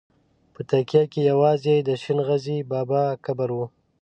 په تکیه کې یوازې د شین غزي بابا قبر و.